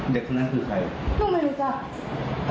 เด็กคนนั้นคือใครก็ไม่รู้จัก